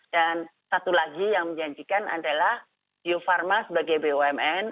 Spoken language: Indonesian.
dan satu lagi yang menjanjikan adalah bio farma sebagai bumn